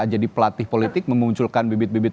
jadi pelatih politik memunculkan bibit bibit